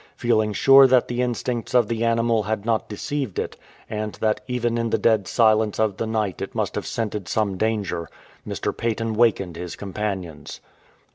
Feeling sure that the instincts of the animal had not deceived it, and that even in the dead silence of the night it must have scented some danger, Mr. Paton wakened his companions.